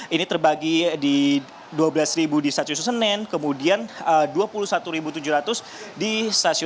ini terbagi di dua belas di stasiun senen kemudian dua puluh satu tujuh ratus di stasiun